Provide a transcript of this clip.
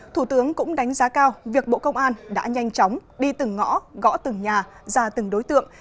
thủ tướng cũng đánh giá cao việc bộ công an đã nhanh chóng đi từng ngõ gõ từng nhà ra từng đối tượng